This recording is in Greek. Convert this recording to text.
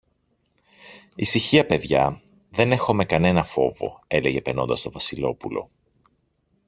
Ησυχία, παιδιά, δεν έχομε κανένα φόβο, έλεγε περνώντας το Βασιλόπουλο.